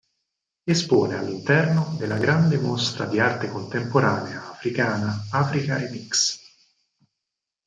Espone all'interno della grande mostra di arte contemporanea africana Africa Remix.